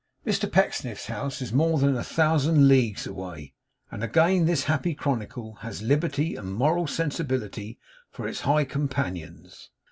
Mr Pecksniff's house is more than a thousand leagues away; and again this happy chronicle has Liberty and Moral Sensibility for its high companions.